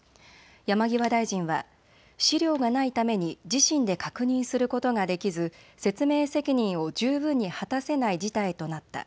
山際大臣は資料がないために自身で確認することができず説明責任を十分に果たせない事態となった。